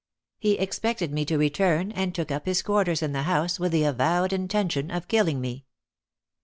He expected me to return, and took up his quarters in the house with the avowed intention of killing me.